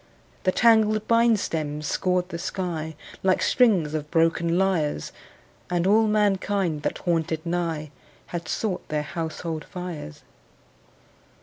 The tangled bine stems scored the sky Like strings of broken lyres, And all mankind that haunted nigh Had sought their household fires.